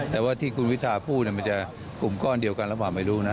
แต่ว่าที่คุณวิทาพูดมันจะกลุ่มก้อนเดียวกันหรือเปล่าไม่รู้นะ